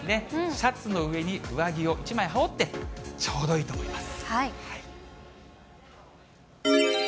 シャツの上に上着を１枚羽織って、ちょうどいいと思います。